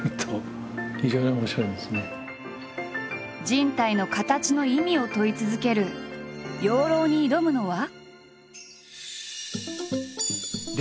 人体の形の意味を問い続ける養老に挑むのは。